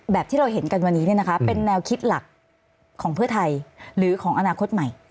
ที่เราเห็นกันวันนี้เป็นแนวคิดหลักของเพื่อไทยหรือของอนาคตใหม่